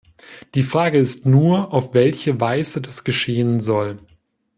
Die Frage ist nur, auf welche Weise das geschehen soll.